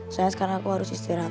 saya sekarang aku harus istirahat